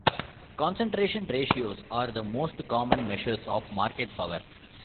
Concentration ratios are the most common measures of market power.